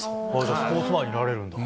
スポーツマンになれるんだ。